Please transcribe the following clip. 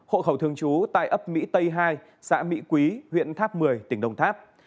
hộ khẩu thường trú tại ấp mỹ tây hai xã mỹ quý huyện tháp một mươi tỉnh đồng tháp